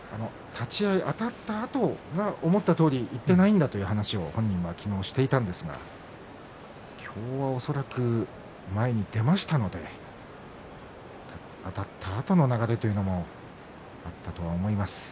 立ち合い、あたったあとが思ったとおりにいっていないんだという話を本人は昨日、していたんですが今日は恐らく前に出ましたのであたったあとの流れというのもあったとは思います。